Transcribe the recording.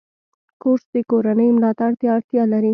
کورس د کورنۍ ملاتړ ته اړتیا لري.